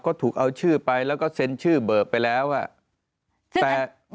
ก็ถูกเอาชื่อไปแล้วก็เซ็นชื่อเบิกไปแล้วอ่ะแต่